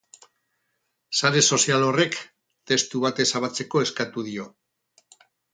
Sare sozial horrek, testu bat ezabatzeko eskatu dio.